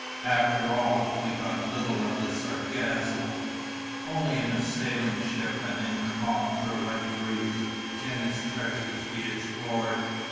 After all, we got little of the sargasso. Only in a sailing ship and in calms or light breezes can its treasures be explored.